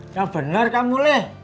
ya bener kamu leh